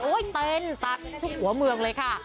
โอ้ยเต็นสักทุกหัวเมืองเลยค่ะ